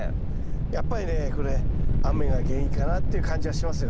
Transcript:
やっぱりねこれ雨が原因かなっていう感じはしますよね。